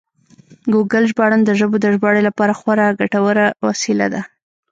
ګوګل ژباړن د ژبو د ژباړې لپاره خورا ګټور وسیله ده.